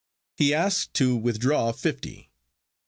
He asks to withdraw fifty.